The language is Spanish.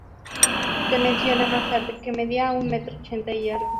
Se menciona más tarde que medía un metro ochenta y algo.